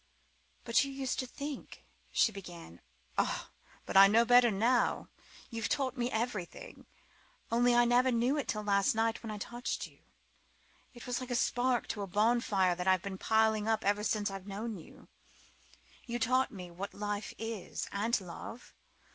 "But you used to think ..." she began. "Ah but I know better now. You've taught me everything. Only I never knew it till last night when I touched you. It was like a spark to a bonfire that I've been piling up ever since I've known you. You've taught me what life is, and love.